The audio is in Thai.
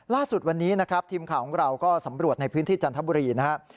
ล่าสุดวันนี้นะครับทีมข่าวของเราก็สำรวจในพื้นที่จันทบุรีนะครับ